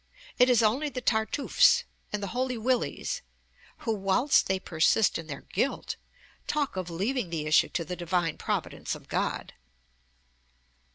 It is only the Tartuffes and the Holy Willies who, whilst they persist in their guilt, talk of leaving the issue to the Divine Providence of God.